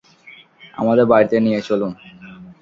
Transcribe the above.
আমাদের বাড়িতে নিয়ে চলুন।